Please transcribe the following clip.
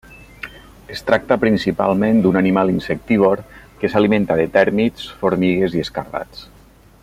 Es tracta principalment d'un animal insectívor que s'alimenta de tèrmits, formigues i escarabats.